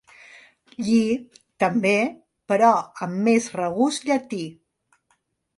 Ili, també, però amb més regust llatí.